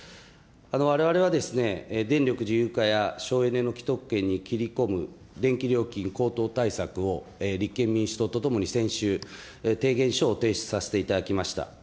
われわれは電力自由化や省エネの既得権に切り込む電気料金高騰対策を立憲民主党とともに先週、提言書を提出させていただきました。